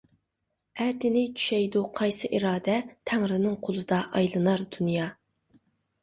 ئەتىنى چۈشەيدۇ قايسى ئىرادە، تەڭرىنىڭ قولىدا ئايلىنار دۇنيا.